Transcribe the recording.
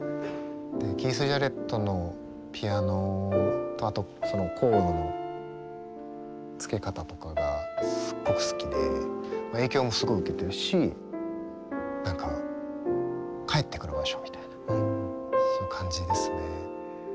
キース・ジャレットのピアノとあとコードのつけ方とかがすっごく好きで影響もすごい受けてるし何か帰ってくる場所みたいなそういう感じですね。